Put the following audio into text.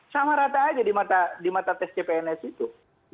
sama rata aja di mata tes cpns itu